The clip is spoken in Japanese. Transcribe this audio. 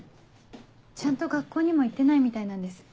ちゃんと学校にも行ってないみたいなんです。